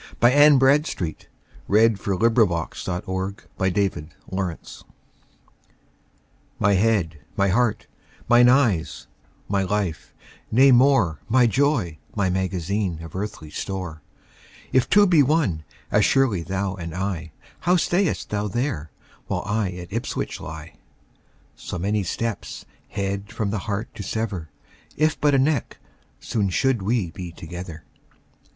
W X . Y Z A Letter to Her Husband Absent upon Public Employment MY head, my heart, mine eyes, my life, nay more, My joy, my magazine, of earthly store, If two be one, as surely thou and I, How stayest thou there, whilst I at Ipswich lie? So many steps, head from the heart to sever, If but a neck, soon should we be together.